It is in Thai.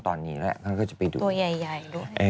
ตัวใหญ่ใหญ่ด้วย